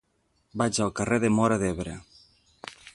Vaig al carrer de Móra d'Ebre.